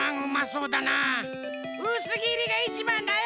うすぎりがいちばんだよ。